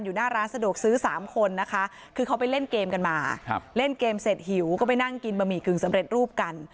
หน้าร้านสะดวกซื้อ๓คนนะคะคือเขาไปเล่นเกมกันมาเล่นเกมเสร็จหิวก็ไปนั่งกินบะหมี่กึ่งสำเร็จรูปกัน